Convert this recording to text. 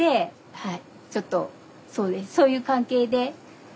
はい。